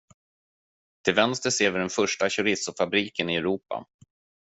Till vänster ser ni den första chorizofabriken i Europa.